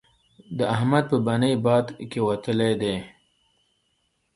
د احمد په بنۍ باد کېوتلی دی.